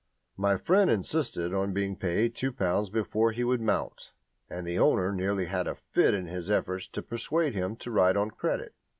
My friend insisted on being paid two pounds before he would mount, and the owner nearly had a fit in his efforts to persuade him to ride on credit.